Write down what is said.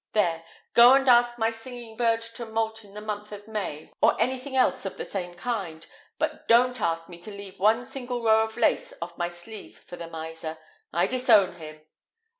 There, go and ask my singing bird to moult in the month of May, or anything else of the same kind; but don't ask me to leave one single row of lace off my sleeve for the miser. I disown him."